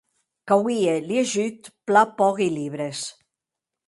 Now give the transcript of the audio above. Qu’auie liejut plan pòqui libres.